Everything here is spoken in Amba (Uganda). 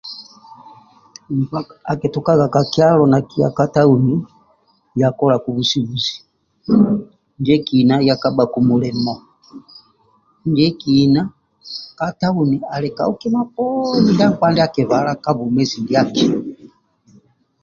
Nkpa akitukaga ka kyalo nakiya ka tauni ya kolaku busubuzi ndiekina ya kabhaku mulimo ndiekina ka tauni ali kau kima poni ndia nkpa ndia akibala ka bwomezi ndiaki.